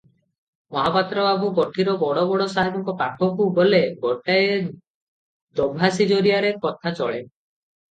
ମହାପାତ୍ର ବାବୁ କୋଠିର ବଡ଼ ବଡ଼ ସାହେବଙ୍କ ପାଖକୁ ଗଲେ, ଗୋଟାଏ ଦୋଭାଷୀ ଜରିଆରେ କଥା ଚଳେ ।